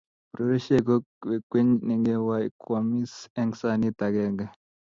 Pororiosiek ko kwekeny nengewai koamis eng sanit agenge